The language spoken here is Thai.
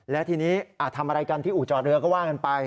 และทีนี้ทำอะไรกันที่อู่จอดเรือก็ว่ากันไป